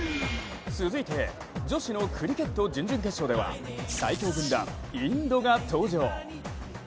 続いて、女子のクリケット準々決勝では最強軍団、インドが登場。